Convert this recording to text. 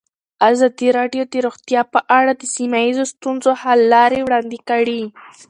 ازادي راډیو د روغتیا په اړه د سیمه ییزو ستونزو حل لارې راوړاندې کړې.